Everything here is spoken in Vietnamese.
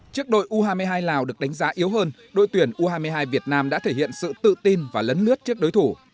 trước đội u hai mươi hai lào được đánh giá yếu hơn đội tuyển u hai mươi hai việt nam đã thể hiện sự tự tin và lấn lướt trước đối thủ